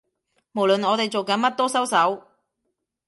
無論我哋做緊乜都收手